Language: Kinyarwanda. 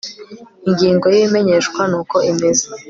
ingingo yibimenyeshwa nuko imeze